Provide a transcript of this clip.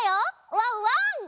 ワンワン！